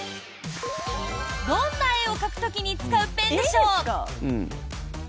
どんな絵を描く時に使うペンでしょう？